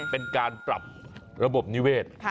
เป็นการปรับระบบนิเวศ